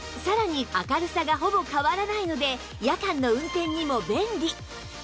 さらに明るさがほぼ変わらないので夜間の運転にも便利